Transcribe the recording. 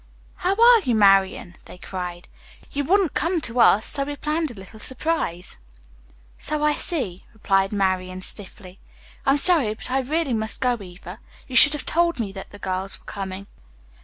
"How are you, Marian?" they cried. "You wouldn't come to us, so we planned a little surprise." "So I see," replied Marian stiffly. "I am sorry, but I really must go, Eva. You should have told me that the girls were coming."